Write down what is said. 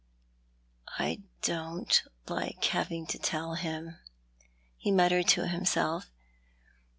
"I don't like having to tell him," he muttered to himself.